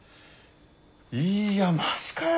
いやマジかよ。